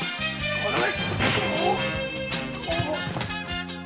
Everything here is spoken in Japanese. はい！